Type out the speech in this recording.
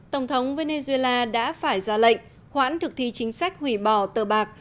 tổng thống venezuela đã phải ra lệnh hoãn thực thi chính sách hủy bỏ tờ bạc